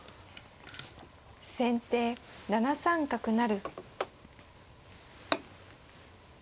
先手７三角成。